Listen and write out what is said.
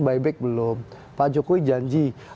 buyback belum pak jokowi janji